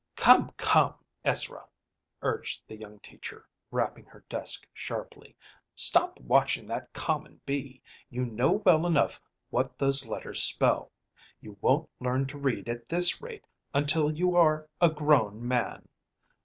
"Come, come, Ezra!" urged the young teacher, rapping her desk sharply. "Stop watchin' that common bee! You know well enough what those letters spell. You won't learn to read at this rate until you are a grown man.